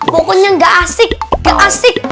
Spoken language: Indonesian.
pokoknya nggak asik gak asik